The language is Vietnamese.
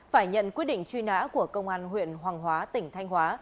phải nhận quyết định truy nã của công an huyện hoàng hóa tỉnh thanh hóa